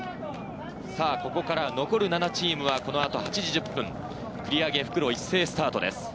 さぁ、ここから残る７チームはこの後、８時１０分、繰り上げ復路、一斉スタートです。